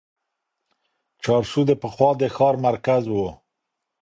چارسو د پخوا د ښار مرکز و.